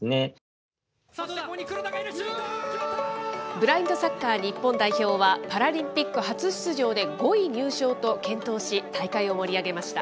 ブラインドサッカー日本代表は、パラリンピック初出場で５位入賞と健闘し、大会を盛り上げました。